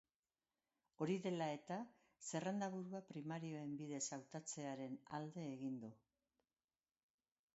Hori dela eta, zerrendaburua primarioen bidez hautatzearen alde egin du.